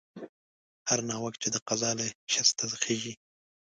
هر ناوک چې د قضا له شسته خېژي